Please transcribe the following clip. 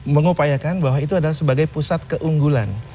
mengupayakan bahwa itu adalah sebagai pusat keunggulan